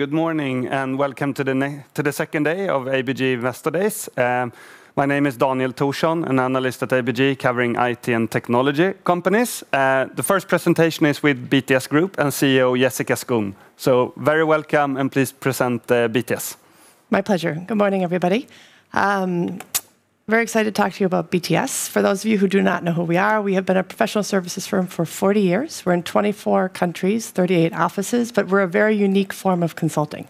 Good morning, and welcome to the second day of ABG Investor Days. My name is Daniel Thorsson, an analyst at ABG covering IT and technology companies. The first presentation is with BTS Group and CEO Jessica Skon. Very welcome, and please present BTS. My pleasure. Good morning, everybody. Very excited to talk to you about BTS. For those of you who do not know who we are, we have been a professional services firm for 40 years. We're in 24 countries, 38 offices, but we're a very unique form of consulting.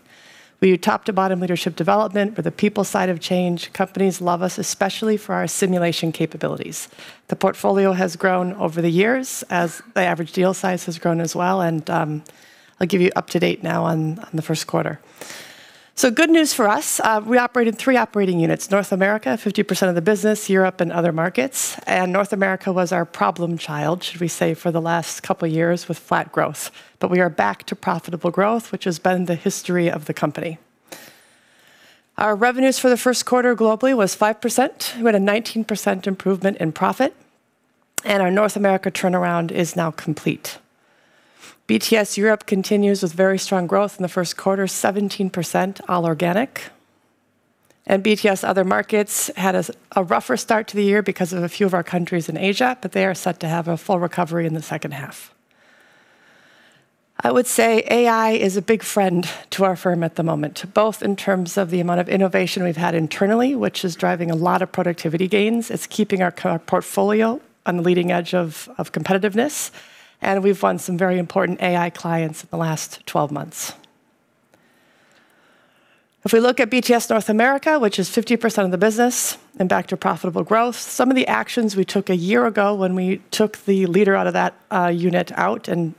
We do top to bottom leadership development. We're the people side of change. Companies love us, especially for our simulation capabilities. The portfolio has grown over the years as the average deal size has grown as well, and I'll give you up to date now on the first quarter. Good news for us. We operate in three operating units, North America, 50% of the business, Europe, and other markets. North America was our problem child, should we say, for the last couple of years with flat growth. We are back to profitable growth, which has been the history of the company. Our revenues for the first quarter globally was 5%. We had a 19% improvement in profit, our North America turnaround is now complete. BTS Europe continues with very strong growth in the first quarter, 17% all organic. BTS Other Markets had a rougher start to the year because of a few of our countries in Asia, but they are set to have a full recovery in the second half. I would say AI is a big friend to our firm at the moment, both in terms of the amount of innovation we've had internally, which is driving a lot of productivity gains. It's keeping our portfolio on the leading edge of competitiveness, and we've won some very important AI clients in the last 12 months. If we look at BTS North America, which is 50% of the business and back to profitable growth, some of the actions we took a year ago when we took the leader out of that unit out and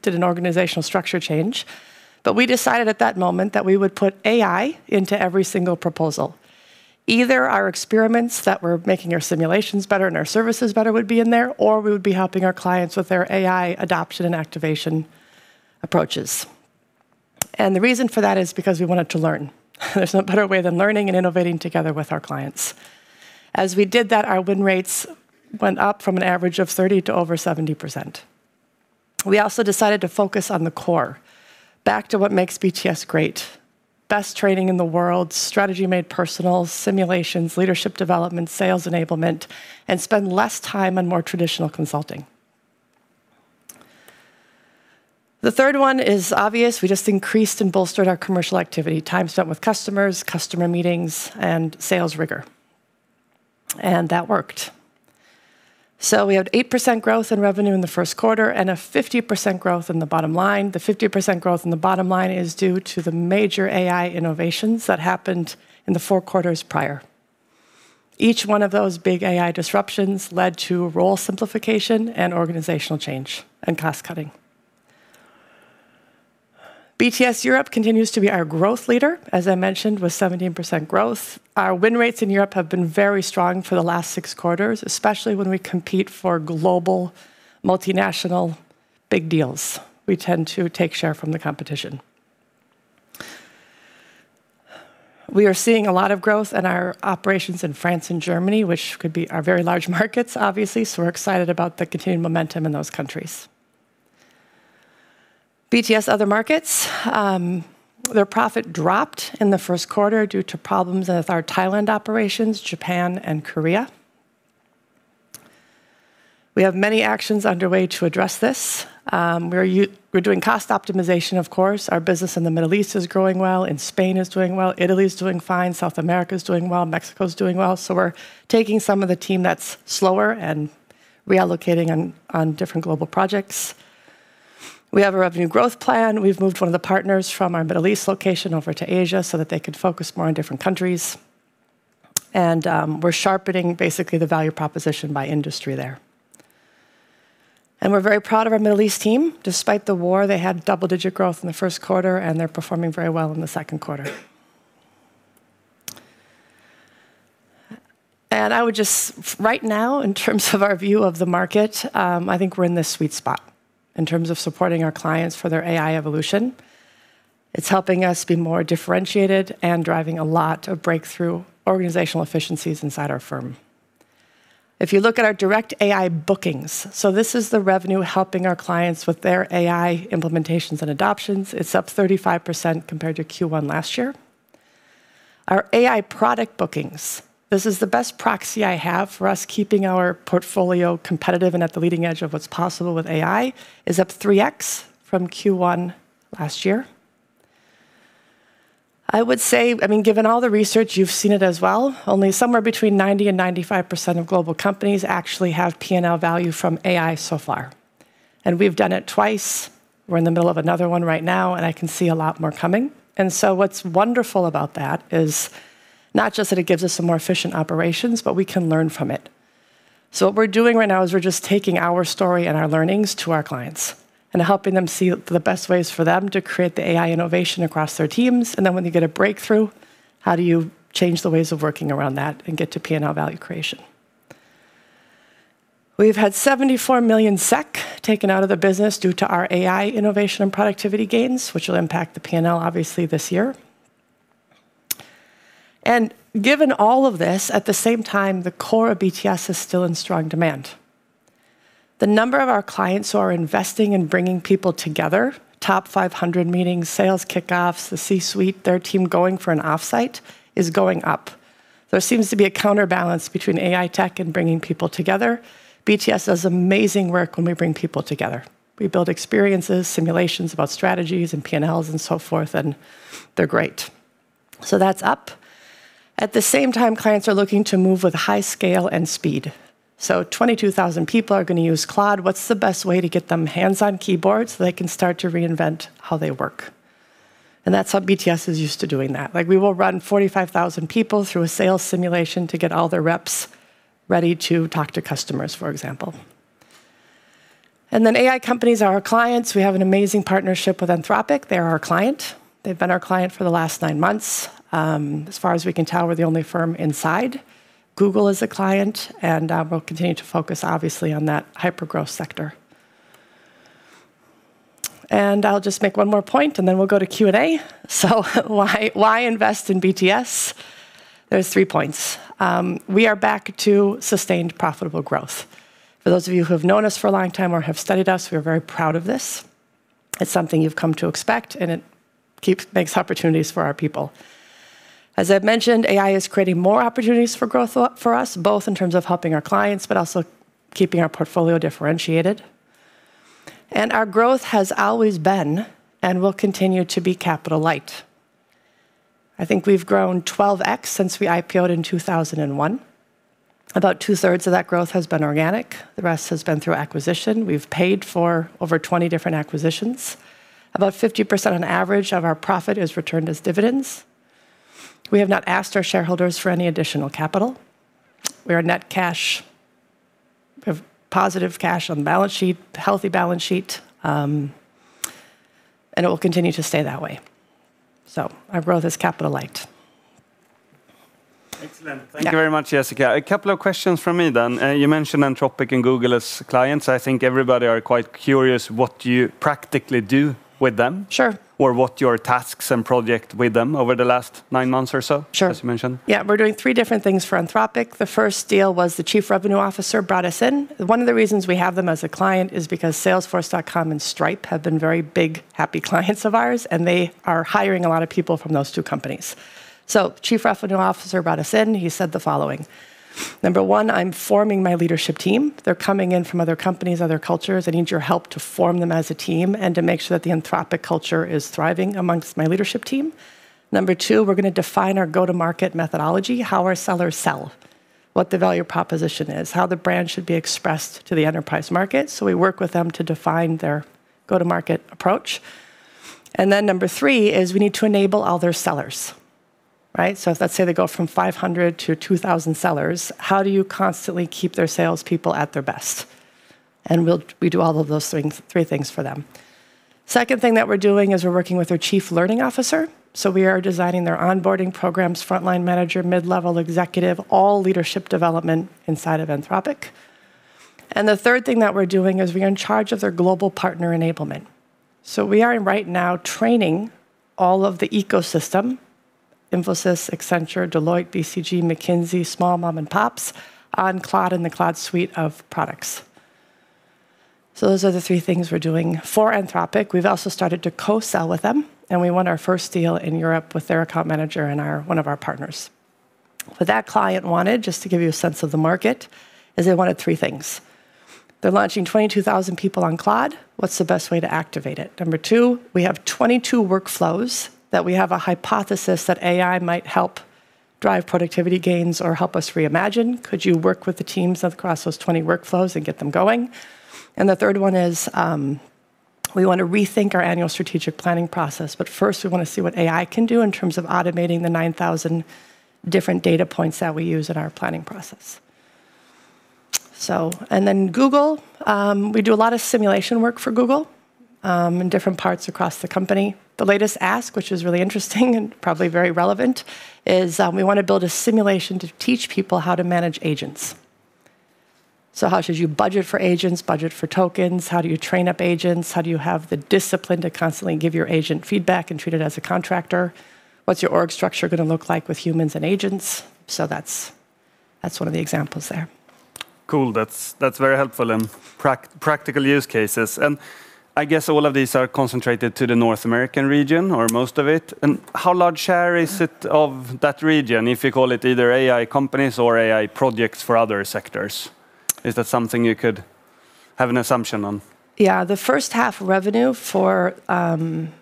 did an organizational structure change. We decided at that moment that we would put AI into every single proposal. Either our experiments that were making our simulations better and our services better would be in there, or we would be helping our clients with their AI adoption and activation approaches. The reason for that is because we wanted to learn. There's no better way than learning and innovating together with our clients. As we did that, our win rates went up from an average of 30 to over 70%. We also decided to focus on the core. Back to what makes BTS great. Best training in the world, strategy made personal, simulations, leadership development, sales enablement, and spend less time on more traditional consulting. The third one is obvious. We just increased and bolstered our commercial activity, time spent with customers, customer meetings, and sales rigor. That worked. We had 8% growth in revenue in the first quarter and a 50% growth in the bottom line. The 50% growth in the bottom line is due to the major AI innovations that happened in the four quarters prior. Each one of those big AI disruptions led to role simplification and organizational change and cost-cutting. BTS Europe continues to be our growth leader, as I mentioned, with 17% growth. Our win rates in Europe have been very strong for the last six quarters, especially when we compete for global, multinational, big deals. We tend to take share from the competition. We are seeing a lot of growth in our operations in France and Germany, which could be our very large markets, obviously. We're excited about the continued momentum in those countries. BTS Other Markets, their profit dropped in the first quarter due to problems with our Thailand operations, Japan, and Korea. We have many actions underway to address this. We're doing cost optimization, of course. Our business in the Middle East is growing well, and Spain is doing well. Italy is doing fine. South America is doing well. Mexico is doing well. We're taking some of the team that's slower and reallocating on different global projects. We have a revenue growth plan. We've moved one of the partners from our Middle East location over to Asia so that they could focus more on different countries. We're sharpening basically the value proposition by industry there. We're very proud of our Middle East team. Despite the war, they had double-digit growth in the first quarter, and they're performing very well in the second quarter. Right now, in terms of our view of the market, I think we're in the sweet spot in terms of supporting our clients for their AI evolution. It's helping us be more differentiated and driving a lot of breakthrough organizational efficiencies inside our firm. If you look at our direct AI bookings, so this is the revenue helping our clients with their AI implementations and adoptions. It's up 35% compared to Q1 last year. Our AI product bookings, this is the best proxy I have for us keeping our portfolio competitive and at the leading edge of what's possible with AI, is up 3x from Q1 last year. I would say, given all the research, you've seen it as well. Only somewhere between 90% and 95% of global companies actually have P&L value from AI so far. We've done it twice, we're in the middle of another one right now, and I can see a lot more coming. What's wonderful about that is not just that it gives us a more efficient operations, but we can learn from it. What we're doing right now is we're just taking our story and our learnings to our clients and helping them see the best ways for them to create the AI innovation across their teams. Then when they get a breakthrough, how do you change the ways of working around that and get to P&L value creation? We've had 74 million SEK taken out of the business due to our AI innovation and productivity gains, which will impact the P&L obviously this year. Given all of this, at the same time, the core of BTS is still in strong demand. The number of our clients who are investing in bringing people together, top 500 meetings, sales kick-offs, the C-suite, their team going for an offsite, is going up. There seems to be a counterbalance between AI tech and bringing people together. BTS does amazing work when we bring people together. We build experiences, simulations about strategies, and P&Ls, and so forth, and they're great. That's up. At the same time, clients are looking to move with high scale and speed. 22,000 people are going to use Claude. What's the best way to get them hands-on-keyboard so they can start to reinvent how they work? That's what BTS is used to doing that. We will run 45,000 people through a sales simulation to get all their reps ready to talk to customers, for example. AI companies are our clients. We have an amazing partnership with Anthropic. They're our client. They've been our client for the last nine months. As far as we can tell, we're the only firm inside. Google is a client, and we'll continue to focus, obviously, on that hyper-growth sector. I'll just make one more point and then we'll go to Q&A. Why invest in BTS? There's three points. We are back to sustained profitable growth. For those of you who have known us for a long time or have studied us, we are very proud of this. It's something you've come to expect, and it makes opportunities for our people. As I've mentioned, AI is creating more opportunities for growth for us, both in terms of helping our clients, but also keeping our portfolio differentiated. Our growth has always been and will continue to be capital light. I think we've grown 12x since we IPO'd in 2001. About 2/3 of that growth has been organic. The rest has been through acquisition. We've paid for over 20 different acquisitions. About 50% on average of our profit is returned as dividends. We have not asked our shareholders for any additional capital. We have positive cash on the balance sheet, healthy balance sheet, and it will continue to stay that way. Our growth is capital light. Excellent. Yeah. Thank you very much, Jessica. A couple of questions from me then. You mentioned Anthropic and Google as clients. I think everybody are quite curious what you practically do with them. Sure. What your tasks and project with them over the last nine months or so. Sure. As you mentioned. Yeah. We're doing three different things for Anthropic. The first deal was the Chief Revenue Officer brought us in. One of the reasons we have them as a client is because Salesforce.com and Stripe have been very big happy clients of ours, and they are hiring a lot of people from those two companies. Chief Revenue Officer brought us in. He said the following: "Number one, I'm forming my leadership team. They're coming in from other companies, other cultures. I need your help to form them as a team and to make sure that the Anthropic culture is thriving amongst my leadership team. Number two, we're going to define our go-to-market methodology, how our sellers sell, what the value proposition is, how the brand should be expressed to the enterprise market." We work with them to define their go-to-market approach. Number three is we need to enable all their sellers, right? Let's say they go from 500-2,000 sellers. How do you constantly keep their salespeople at their best? We do all of those three things for them. Second thing that we're doing is we're working with their Chief Learning Officer. We are designing their onboarding programs, frontline manager, mid-level executive, all leadership development inside of Anthropic. The third thing that we're doing is we are in charge of their global partner enablement. We are right now training all of the ecosystem, Infosys, Accenture, Deloitte, BCG, McKinsey, small mom and pops, on Claude and the Claude suite of products. Those are the three things we're doing for Anthropic. We've also started to co-sell with them, and we won our first deal in Europe with their account manager and one of our partners. What that client wanted, just to give you a sense of the market, is they wanted three things. They're launching 22,000 people on Claude. What's the best way to activate it? Number two, we have 22 workflows that we have a hypothesis that AI might help drive productivity gains or help us reimagine. Could you work with the teams across those 20 workflows and get them going? The third one is, we want to rethink our annual strategic planning process. First, we want to see what AI can do in terms of automating the 9,000 different data points that we use in our planning process. Google, we do a lot of simulation work for Google, in different parts across the company. The latest ask, which is really interesting and probably very relevant, is we want to build a simulation to teach people how to manage agents. How should you budget for agents, budget for tokens? How do you train up agents? How do you have the discipline to constantly give your agent feedback and treat it as a contractor? What's your org structure going to look like with humans and agents? That's one of the examples there. Cool. That's very helpful and practical use cases. I guess all of these are concentrated to the North American region, or most of it. How large share is it of that region, if you call it either AI companies or AI projects for other sectors? Is that something you could have an assumption on? Yeah. The first half revenue for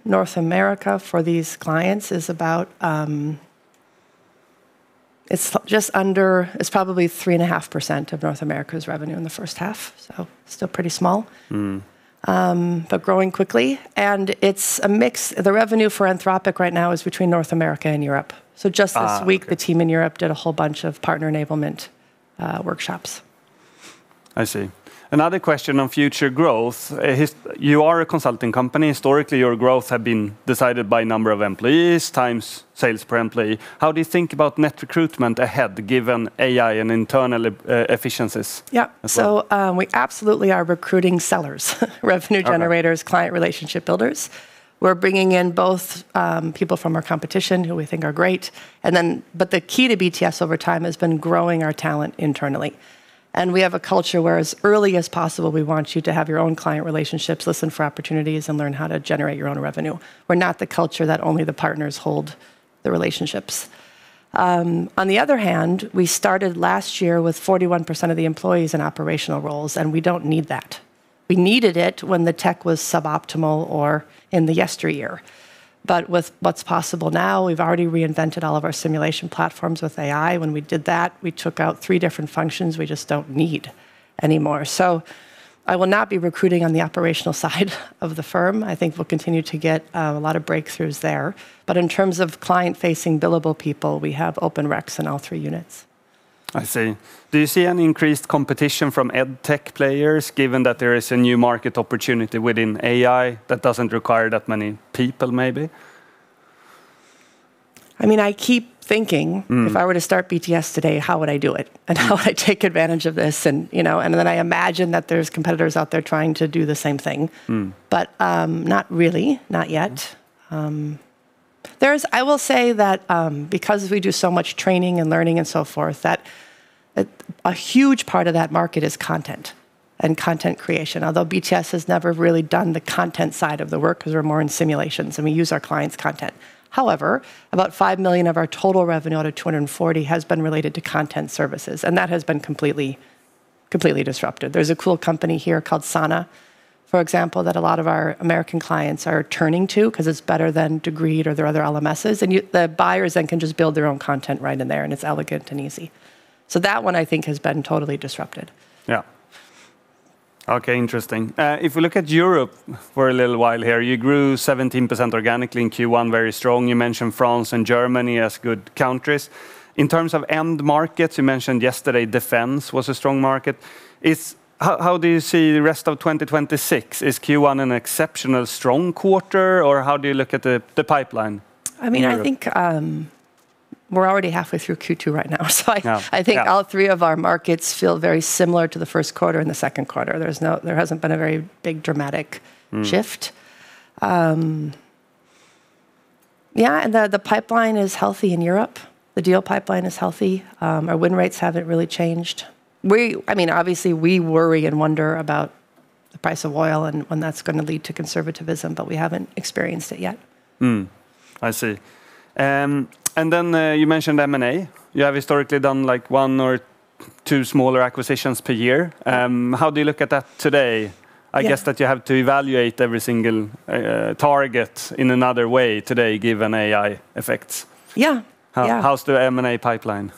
North America for these clients is probably 3.5% of North America's revenue in the first half, so still pretty small. Growing quickly. It's a mix. The revenue for Anthropic right now is between North America and Europe. Okay. Just this week, the team in Europe did a whole bunch of partner enablement workshops. I see. Another question on future growth. You are a consulting company. Historically, your growth have been decided by number of employees times sales per employee. How do you think about net recruitment ahead, given AI and internal efficiencies as well? Yeah. we absolutely are recruiting sellers, revenue generators- Okay client relationship builders. We're bringing in both people from our competition who we think are great. The key to BTS over time has been growing our talent internally. We have a culture where as early as possible, we want you to have your own client relationships, listen for opportunities, and learn how to generate your own revenue. We're not the culture that only the partners hold the relationships. On the other hand, we started last year with 41% of the employees in operational roles, and we don't need that. We needed it when the tech was suboptimal or in the yesteryear. With what's possible now, we've already reinvented all of our simulation platforms with AI. When we did that, we took out three different functions we just don't need anymore. I will not be recruiting on the operational side of the firm. I think we'll continue to get a lot of breakthroughs there. In terms of client-facing billable people, we have open recs in all three units. I see. Do you see any increased competition from EdTech players, given that there is a new market opportunity within AI that doesn't require that many people maybe? I keep thinking if I were to start BTS today, how would I do it? How would I take advantage of this? I imagine that there are competitors out there trying to do the same thing. Not really, not yet. I will say that because we do so much training and learning and so forth, that a huge part of that market is content and content creation. Although BTS has never really done the content side of the work because we're more in simulations and we use our clients' content. However, about 5 million of our total revenue out of 240 million has been related to content services, and that has been completely disrupted. There's a cool company here called Sana, for example, that a lot of our American clients are turning to because it's better than Degreed or their other LMSs, and the buyers then can just build their own content right in there, and it's elegant and easy. That one, I think, has been totally disrupted. Yeah. Okay, interesting. If we look at Europe for a little while here, you grew 17% organically in Q1, very strong. You mentioned France and Germany as good countries. In terms of end markets, you mentioned yesterday defense was a strong market. How do you see the rest of 2026? Is Q1 an exceptional strong quarter, or how do you look at the pipeline in Europe? I think we're already halfway through Q2 right now. Yeah. All three of our markets feel very similar to the first quarter and the second quarter. There hasn't been a very big dramatic shift. Yeah, the pipeline is healthy in Europe. The deal pipeline is healthy. Our win rates haven't really changed. Obviously, we worry and wonder about the price of oil and when that's going to lead to conservativism, but we haven't experienced it yet. I see. Then you mentioned M&A. You have historically done one or two smaller acquisitions per year. Yeah. How do you look at that today? Yeah. I guess that you have to evaluate every single target in another way today, given AI effects. Yeah. How's the M&A pipeline?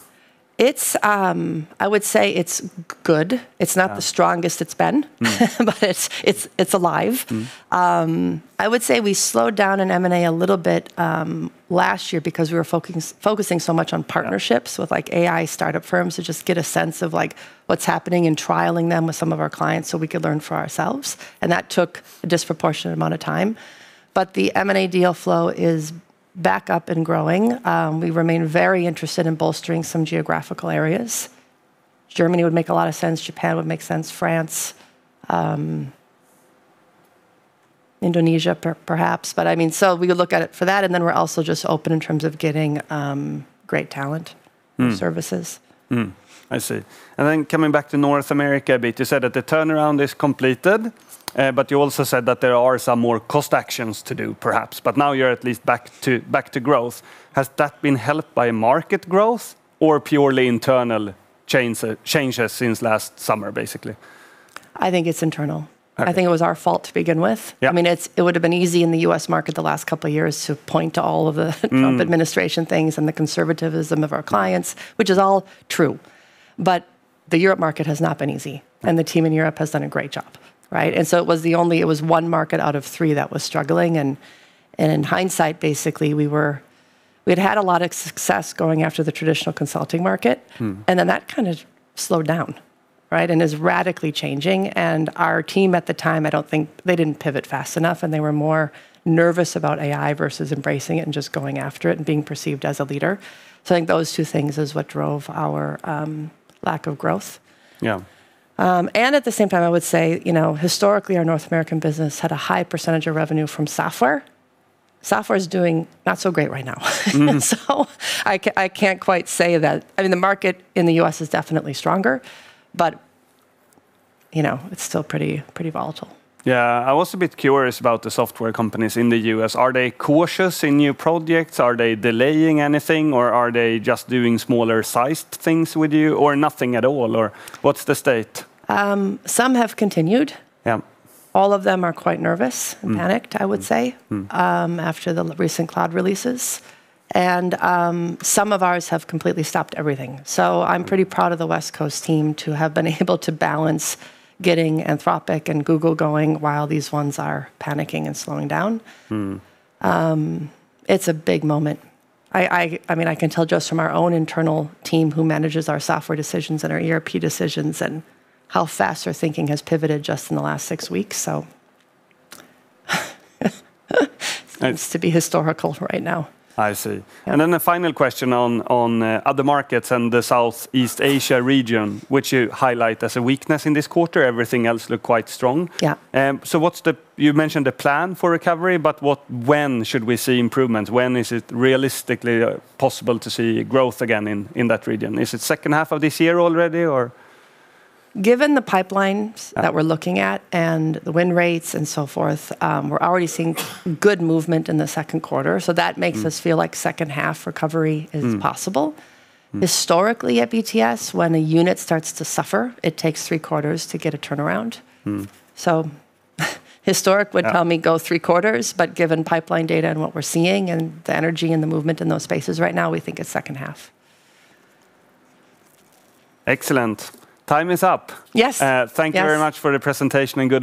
I would say it's good. It's not the strongest it's been but it's alive. I would say we slowed down in M&A a little bit last year because we were focusing so much on partnerships with AI startup firms to just get a sense of what's happening and trialing them with some of our clients so we could learn for ourselves, and that took a disproportionate amount of time. The M&A deal flow is back up and growing. We remain very interested in bolstering some geographical areas. Germany would make a lot of sense, Japan would make sense, France, Indonesia perhaps. We look at it for that, and then we're also just open in terms of getting great talent and services. I see. Coming back to North America a bit, you said that the turnaround is completed, but you also said that there are some more cost actions to do, perhaps. Now you're at least back to growth. Has that been helped by market growth or purely internal changes since last summer, basically? I think it's internal. Okay. I think it was our fault to begin with. Yeah. It would've been easy in the U.S. market the last couple of years to point to all of the Trump administration things and the conservativism of our clients, which is all true. The Europe market has not been easy, and the team in Europe has done a great job. Right? It was one market out of three that was struggling, and in hindsight, basically we'd had a lot of success going after the traditional consulting market. That kind of slowed down, right, and is radically changing. Our team at the time, they didn't pivot fast enough, and they were more nervous about AI versus embracing it and just going after it and being perceived as a leader. I think those two things is what drove our lack of growth. Yeah. At the same time, I would say, historically, our BTS North America had a high percentage of revenue from software. Software's doing not so great right now. The market in the U.S. is definitely stronger, but it's still pretty volatile. Yeah. I was a bit curious about the software companies in the U.S. Are they cautious in new projects? Are they delaying anything, or are they just doing smaller sized things with you, or nothing at all? What's the state? Some have continued. Yeah. All of them are quite nervous and panicked, I would say after the recent Claude releases. Some of ours have completely stopped everything. I'm pretty proud of the West Coast team to have been able to balance getting Anthropic and Google going while these ones are panicking and slowing down. It's a big moment. I can tell just from our own internal team who manages our software decisions and our ERP decisions and how fast our thinking has pivoted just in the last six weeks, it's to be historical right now. I see. Yeah. The final question on other markets and the Southeast Asia region, which you highlight as a weakness in this quarter. Everything else looked quite strong. Yeah. You mentioned a plan for recovery, but when should we see improvements? When is it realistically possible to see growth again in that region? Is it second half of this year already, or? Given the pipelines that we're looking at and the win rates and so forth, we're already seeing good movement in the second quarter, so that makes us feel like second half recovery is possible. Historically at BTS, when a unit starts to suffer, it takes three quarters to get a turnaround. Historic would tell me. Yeah. Go three quarters, given pipeline data and what we're seeing and the energy and the movement in those spaces right now, we think it's second half. Excellent. Time is up. Yes. Thank you very much for the presentation and good-